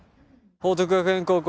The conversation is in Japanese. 報徳学園高校